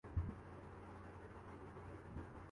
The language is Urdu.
ملتان باراتیوں پرڈالراورریال برسانے پرایف بی رکانوٹس